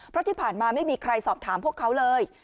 เพราะที่ผ่านมาไม่มีใครสอบถามพวกเขาเลย